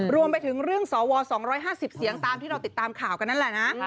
รวมไปถึงเรื่องสว๒๕๐เสียงตามที่เราติดตามข่าวกันนั่นแหละนะ